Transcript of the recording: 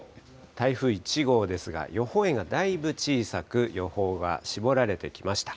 台風１号ですが、予報円がだいぶ小さく、予報は絞られてきました。